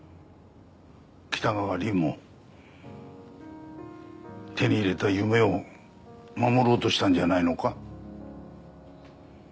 北川凛も手に入れた夢を守ろうとしたんじゃないのか。